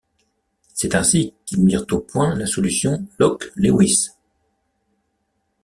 C’est ainsi qu’ils mirent au point la solution Locke-Lewis.